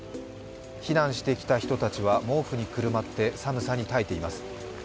避難してきた人たちは毛布にくるまって寒さに耐えています。